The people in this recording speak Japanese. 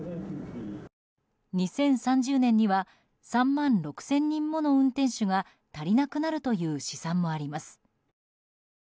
２０３０年には３万６０００人もの運転手が足りなくなるという試算もあります。